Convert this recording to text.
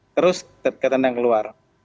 terus ketendang keluar